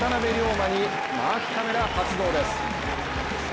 磨にマークカメラ発動です。